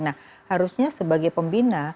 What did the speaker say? nah harusnya sebagai pembina